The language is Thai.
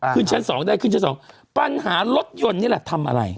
ขึ้นชั้นสองได้ขึ้นชั้นสองปัญหารถยนต์นี่แหละทำอะไร